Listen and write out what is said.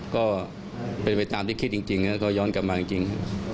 ก็เป็นไปตามที่คิดจริงก็ย้อนกลับมาจริง